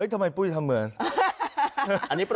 ทำไมปุ๊ยทำเหมือน